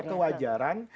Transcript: dalam hal kewajaran